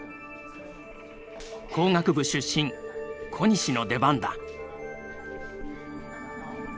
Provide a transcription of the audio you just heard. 工学部出身小西の出番だ。